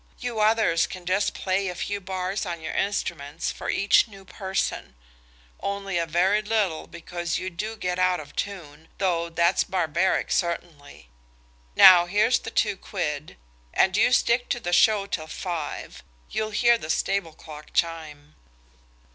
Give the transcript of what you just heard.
You others can just play a few bars on your instruments for each new person–only a very little, because you do get out of tune, though that's barbaric certainly. Now, here's the two quid. And you stick to the show till five; you'll hear the stable clock chime."